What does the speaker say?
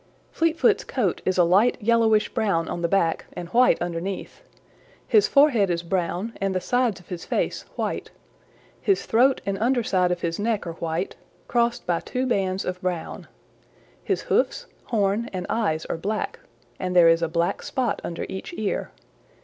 "Fleetfoot's coat is a light yellowish brown on the back and white underneath. His forehead is brown and the sides of his face white. His throat and under side of his neck are white, crossed by two bands of brown. His hoofs, horns and eyes are black, and there is a black spot under each ear.